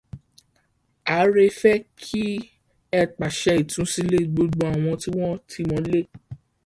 Ààrẹ fẹ́ kí ẹ pàṣẹ ìtúsílẹ gbogbo àwọn tí wọ́n tìmọ́lé